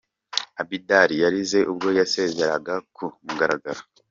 Abidal yarize ubwo yasezeraga ku mugaragaro.